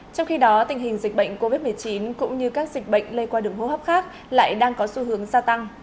trong khi đó tình hình dịch bệnh covid một mươi chín cũng như các dịch bệnh lây qua đường hô hấp khác lại đang có xu hướng gia tăng